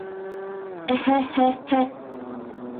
— Эһһе-һе-һе!